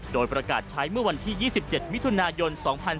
โดยประกาศใช้เมื่อวันที่๒๗มิถุนายน๒๔